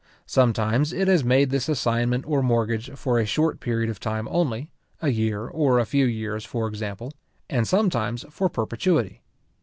Sometimes it has made this assignment or mortgage for a short period of time only, a year, or a few years, for example; and sometimes for perpetuity.